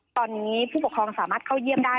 ตอนนี้ผู้ปกครองสามารถเข้าเยี่ยมได้